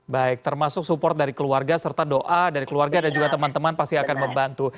baik termasuk support dari keluarga serta doa dari keluarga dan juga teman teman pasti akan membantu